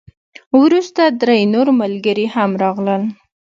وروسته درې نور ملګري هم راغلل.